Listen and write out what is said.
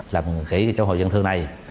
làm kỹ cho hồ văn thương này